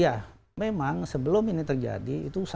ya memang sebelum ini terjadi itu